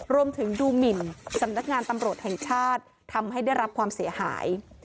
รวมถึงดูหมินสำนักงานตำรวจแห่งชาติทำให้ได้รับความเสียหาย